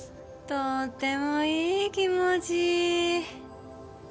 とってもいい気持ち。